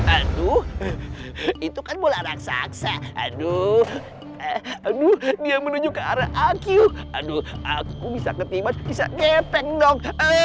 aduh itu kan bola raksasa aduh aduh dia menuju ke arah aque aduh aku bisa ketimbang bisa ngepeng dong